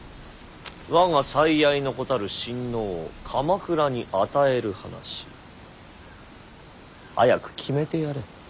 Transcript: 我が最愛の子たる親王を鎌倉に与える話早く決めてやれ。